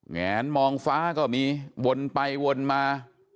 แงนมองฟ้าก็มีวนไปวนมา